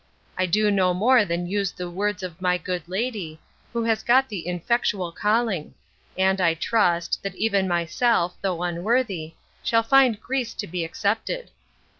I do no more than yuse the words of my good lady, who has got the infectual calling; and, I trust, that even myself, though unworthy, shall find grease to be excepted.